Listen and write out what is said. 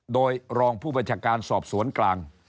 โดยรองผู้มจการสอบสวนกลาง